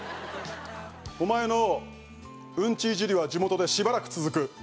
お前のウンチイジりは地元でしばらく続く。